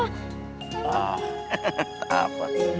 ah tak apa